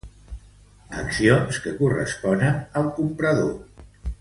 Accions que corresponen al comprador.